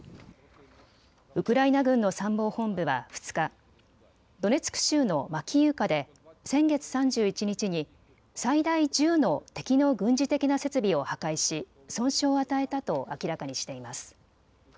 ウクライナ軍の参謀本部は２日、ドネツク州のマキイウカで先月３１日に最大１０の敵の軍事的な設備を破壊し、損傷を与えたと明らかにしています。